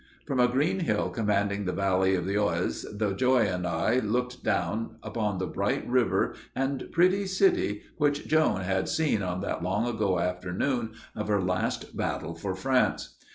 From a green hill commanding the valley of the Oise the Joy and I looked down upon the bright river and pretty city which Joan had seen on that long ago afternoon of her last battle for France.